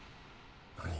何？